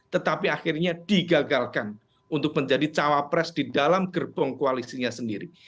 tetapi akhirnya digagalkan untuk menjadi cawapres di dalam gerbong koalisinya sendiri